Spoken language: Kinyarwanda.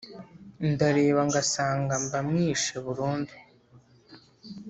Ndareba ngasanga Mba mwishe burundu